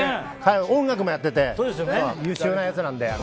音楽もやってて優秀なやつなんで。